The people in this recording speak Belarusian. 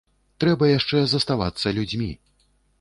Трэба яшчэ заставацца людзьмі.